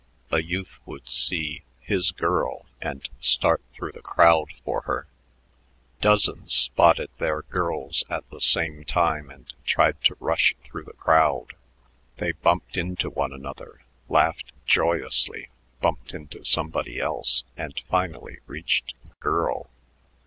A youth would see "his girl" and start through the crowd for her. Dozens spotted their girls at the same time and tried to run through the crowd. They bumped into one another, laughed joyously, bumped into somebody else, and finally reached the girl.